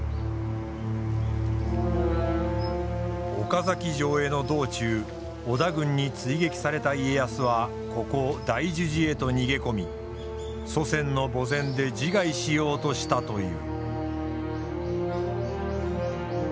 岡崎城への道中織田軍に追撃された家康はここ大樹寺へと逃げ込み祖先の墓前で自害しようとしたという。